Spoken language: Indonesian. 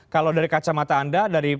kalau dari kacamata anda